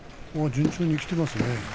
順調にきていますね。